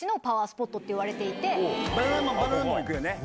バナナマンも行くよね。